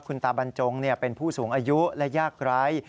คุณตาบรรจงเป็นผู้สูงอายุและยากไร้